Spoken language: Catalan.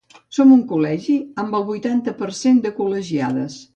Som un col·legi amb el vuitanta per cent de col·legiades.